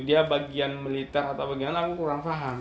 dia bagian militer atau bagian lain aku kurang paham